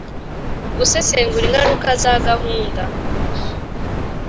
gusesengura ingaruka za gahunda